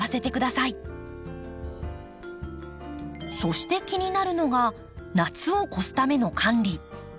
そして気になるのが夏を越すための管理。